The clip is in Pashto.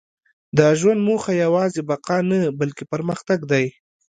• د ژوند موخه یوازې بقا نه، بلکې پرمختګ دی.